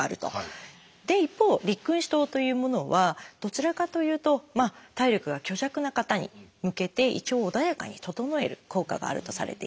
一方「六君子湯」というものはどちらかというと体力が虚弱な方に向けて胃腸を穏やかに整える効果があるとされています。